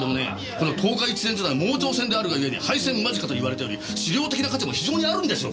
この十日市線ってのは盲腸線であるがゆえに廃線間近といわれており資料的な価値も非常にあるんですよ